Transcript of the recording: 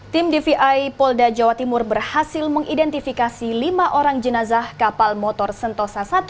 tim dvi polda jawa timur berhasil mengidentifikasi lima orang jenazah kapal motor sentosa satu